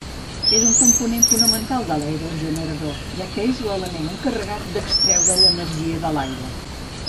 És una component fonamental de l'aerogenerador, ja que és l'element encarregat d'extreure l'energia de l'aire.